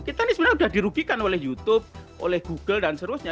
kita ini sebenarnya sudah dirugikan oleh youtube oleh google dan seterusnya